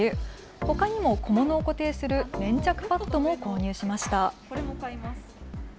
ほかにも小物を固定する粘着パッドも購入しました。